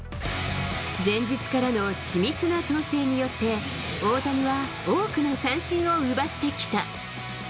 前日からの緻密な調整によって、大谷は多くの三振を奪ってきた。